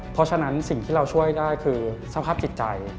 เพราะฉะนั้นสิ่งที่เราช่วยได้คือสภาพจิตใจ